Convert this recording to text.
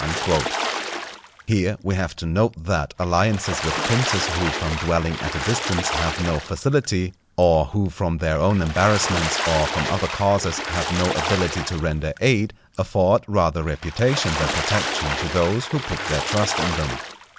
_" Here we have to note that alliances with princes who from dwelling at a distance have no facility, or who from their own embarrassments, or from other causes, have no ability to render aid, afford rather reputation than protection to those who put their trust in them.